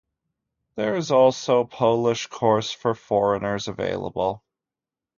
There is also Polish course for foreigners available.